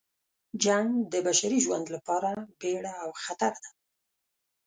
جنګ د بشري ژوند لپاره بیړه او خطر ده.